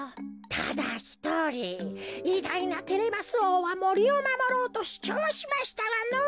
ただひとりいだいなテレマスおうはもりをまもろうとしゅちょうしましたがのぉ。